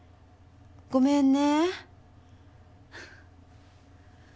ごめんね。